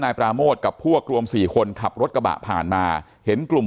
ปราโมทกับพวกรวมสี่คนขับรถกระบะผ่านมาเห็นกลุ่ม